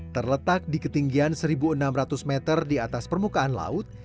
terletak di ketinggian seribu enam ratus meter di atas permukaan laut